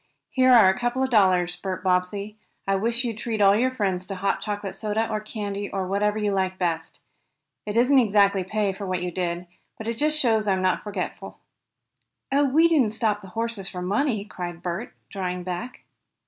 Here are a couple of dollars, Bert Bobbsey. I wish you'd treat all your friends to hot chocolate soda or candy or whatever you like best. It isn't exactly pay for what you did, but it just shows I'm not forgetful." "Oh, we didn't stop the horses for money!" cried Bert, drawing back.